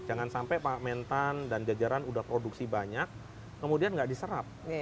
jangan sampai pak mentan dan jajaran sudah produksi banyak kemudian nggak diserap